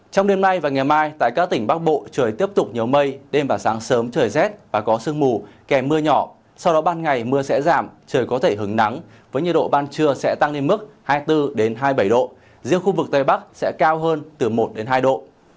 trong đêm nay và ngày mai tại các tỉnh bắc bộ trời tiếp tục nhiều mây đêm và sáng sớm trời rét và có sương mù kèm mưa nhỏ sau đó ban ngày mưa sẽ giảm trời có thể hứng nắng với nhiệt độ ban trưa sẽ tăng lên mức hai mươi bốn hai mươi bảy độ riêng khu vực tây bắc sẽ cao hơn từ một hai độ